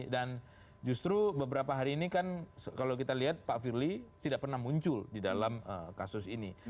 dan justru beberapa hari ini kan kalau kita lihat pak firly tidak pernah muncul di dalam kasus ini